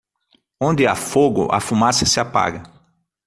Onde há fogo, a fumaça se apaga.